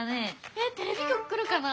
えっテレビきょく来るかな？